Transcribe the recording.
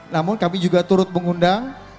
namun kami juga turut mengundang